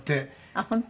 あっ本当。